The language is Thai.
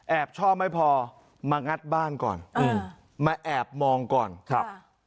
ชอบไม่พอมางัดบ้านก่อนอืมมาแอบมองก่อนครับ